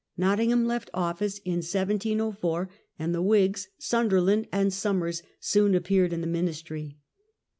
Nottingham left office in 1704, and the Whigs Sunderland^ and Somers soon appeared in the ministry.